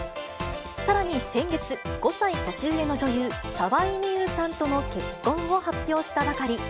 さらに先月、５歳年上の女優、沢井美優さんとの結婚を発表したばかり。